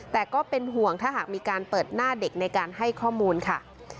แต่ก็เป็นห่วงถ้าหากมีการเปิดหน้าเด็กในการให้ข้อมูลค่ะ